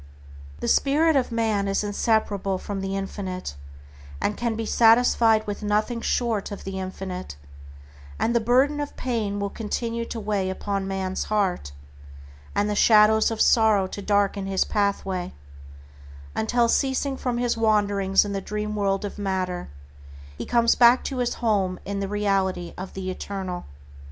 The spirit of man is inseparable from the Infinite, and can be satisfied with nothing short of the Infinite, and the burden of pain will continue to weigh upon man's heart, and the shadows of sorrow to darken his pathway until, ceasing from his wanderings in the dream world of matter, he comes back to his home in the reality of the Eternal.